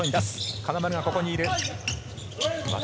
金丸がここにいる。